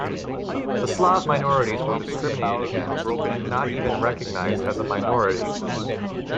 The slav minorities were discriminated against, and not even recognised as a minority.